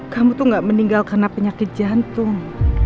kamu tuh gak meninggal karena penyakit jantung